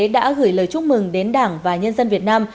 đã gửi lời chúc mừng đến đảng và nhân dân việt nam